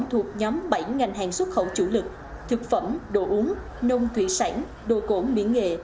thuộc nhóm bảy ngành hàng xuất khẩu chủ lực thực phẩm đồ uống nông thủy sản đồ cổ miễn nghệ